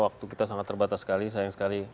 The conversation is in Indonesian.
waktu kita sangat terbatas sekali